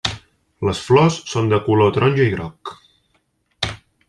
Les flors són de clor taronja i groc.